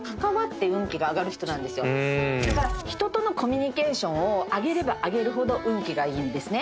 だから人とのコミュニケーションを上げれば上げるほど運気がいいんですね。